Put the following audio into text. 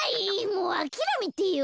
もうあきらめてよ。